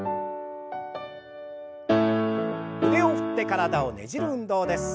腕を振って体をねじる運動です。